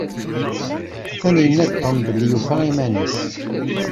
Atan yenna-d Tom belli yufa iman-is.